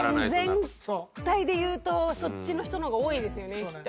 日本全体でいうとそっちの人の方が多いですよねきっと。